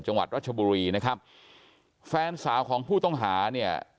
จังหวัดรัชบุรีนะครับแฟนสาวของผู้ต้องหาเนี่ย